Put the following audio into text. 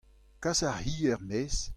kas ar c'hi er-maez.